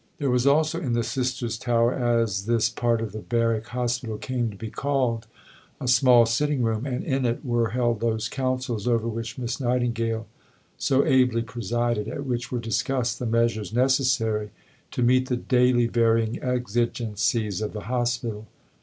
There was also in "The Sisters' Tower," as this part of the Barrack Hospital came to be called, a small sitting room; and in it "were held those councils over which Miss Nightingale so ably presided, at which were discussed the measures necessary to meet the daily varying exigencies of the hospital.